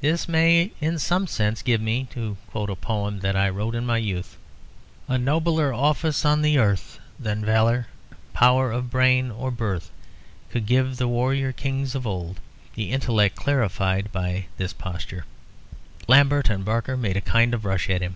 This may in some sense give me, to quote a poem that I wrote in my youth A nobler office on the earth Than valour, power of brain, or birth Could give the warrior kings of old. The intellect clarified by this posture " Lambert and Barker made a kind of rush at him.